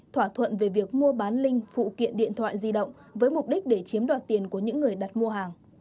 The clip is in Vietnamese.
thỏa thuận về việc mua bán linh phụ kiện điện thoại di động với mục đích để chiếm đoạt tiền của những người đặt mua hàng